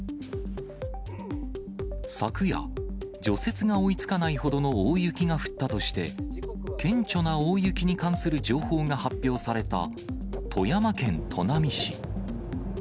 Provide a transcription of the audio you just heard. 昨夜、除雪が追いつかないほどの大雪が降ったとして、顕著な大雪に関する情報が発表された富山県砺波市。